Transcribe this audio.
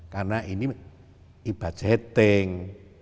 karena ini ibadetting